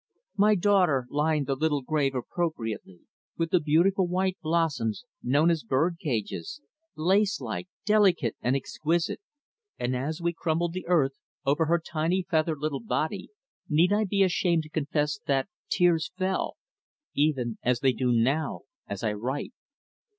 My daughter lined the little grave appropriately with the beautiful white blossoms known as bird cages, lace like, delicate, and exquisite, and as we crumbled the earth over her tiny feathered little body, need I be ashamed to confess that tears fell, even as they do now as I write?